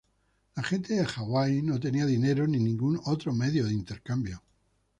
La gente de Hawaii no tenían dinero ni ningún otro medio de intercambio.